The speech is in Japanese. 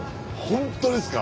本当ですか？